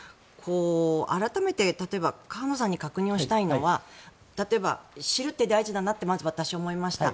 改めて、例えば河野さんに確認したいのは例えば知るって大事だなとまず私は思いました。